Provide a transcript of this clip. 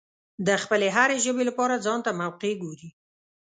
د خپلې هرې ژبې لپاره ځانته موقع ګوري.